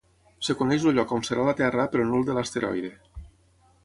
Es coneix el lloc on serà la Terra però no el de l'asteroide.